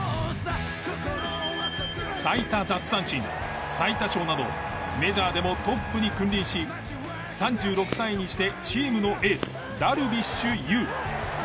最多奪三振最多勝などメジャーでもトップに君臨し３６歳にしてチームのエースダルビッシュ有。